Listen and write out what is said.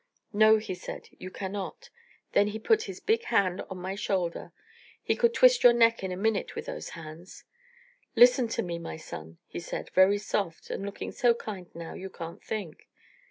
'No,' he said, 'you cannot.' Then he put his big hand on my shoulder he could twist your neck in a minute with those hands 'Listen to me, my son,' he said, very soft, and looking so kind now, you can't think.